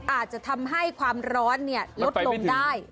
อาจจะทำให้ความร้อนลดลงได้